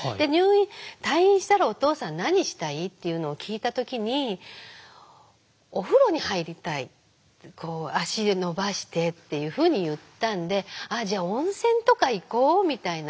「退院したらお父さん何したい？」っていうのを聞いた時に「お風呂に入りたい。足伸ばして」っていうふうに言ったんで「じゃあ温泉とか行こう」みたいな。